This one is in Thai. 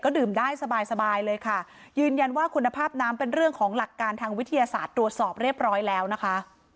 ดื่มได้สบายสบายเลยค่ะยืนยันว่าคุณภาพน้ำเป็นเรื่องของหลักการทางวิทยาศาสตร์ตรวจสอบเรียบร้อยแล้วนะคะ